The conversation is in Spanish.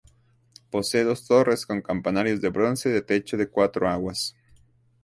Posee dos torres con campanarios de bronce de techo de cuatro aguas.